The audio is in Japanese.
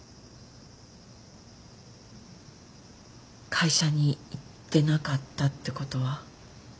会社に行ってなかったってことは？